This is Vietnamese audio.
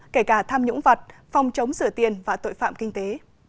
kể cả tham nhũng vật phòng chống sửa tiền và tội phạm kinh tế